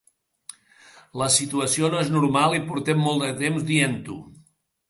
La situació no és normal i portem molt temps dient-ho.